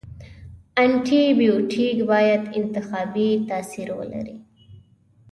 انټي بیوټیک باید انتخابي تاثیر ولري.